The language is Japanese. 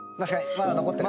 まだ残ってる。